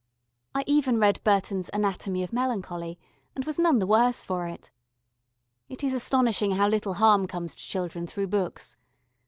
I even read Burton's Anatomy of Melancholy, and was none the worse for it. It is astonishing how little harm comes to children through books.